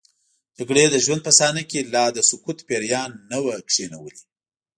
جګړې د ژوند په صحنه کې لا د سکوت پیریان نه وو کینولي.